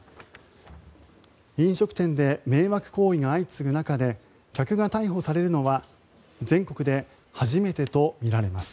飲食店で迷惑行為が相次ぐ中で客が逮捕されるのは全国で初めてとみられます。